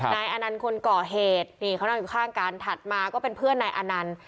นายอนันต์คนก่อเหตุนี่เขานั่งอยู่ข้างกันถัดมาก็เป็นเพื่อนนายอนันต์